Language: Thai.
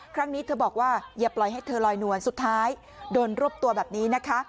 ครั้งนี้เธอบอกว่าอย่าปล่อยให้เธอลอยนวลสุดท้ายโดนรวบตัวแบบนี้นะคะ